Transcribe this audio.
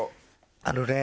あのね